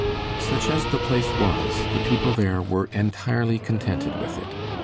Such as the place was, the people there were entirely contented with it.